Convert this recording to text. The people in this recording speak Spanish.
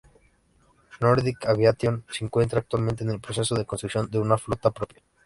Nordic Aviation se encuentra actualmente en el proceso de construcción de una flota propia.